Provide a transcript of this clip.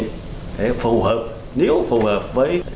để phù hợp nếu phù hợp với công ty tuy nen phú điền